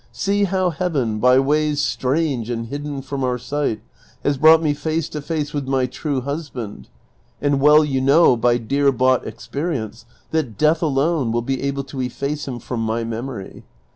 See how Heaven, by ways strange and hidden from our sight, has brought me face to face with ni}^ true husband ; and well you know by dear bought experience that death alone will be able to efface him from my memory.